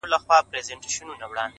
لكه ژړا.